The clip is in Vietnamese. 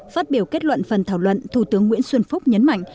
phát biểu kết luận phần thảo luận thủ tướng nguyễn xuân phúc nhấn mạnh